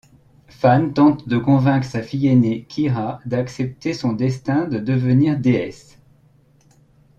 Fan tente de convaincre sa fille aînée, Kira d'accepter son destin de devenir déesse.